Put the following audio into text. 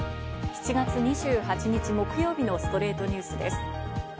７月２８日、木曜日の『ストレイトニュース』です。